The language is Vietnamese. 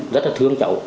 rất là thương cháu